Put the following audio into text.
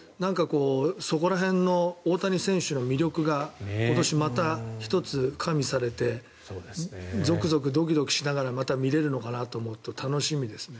そこら辺の大谷選手の魅力が今年、また１つ加味されてゾクゾク、ドキドキしながらまた見れるのかなと思うと楽しみですね。